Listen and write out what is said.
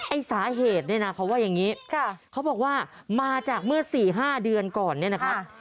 ไอ้สาเหตุเนี่ยนะเขาว่าอย่างนี้เขาบอกว่ามาจากเมื่อ๔๕เดือนก่อนเนี่ยนะครับ